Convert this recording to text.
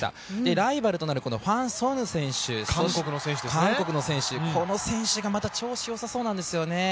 ライバルとなるファン・ソヌ選手、韓国の選手、この選手がまた調子よさそうなんですよね。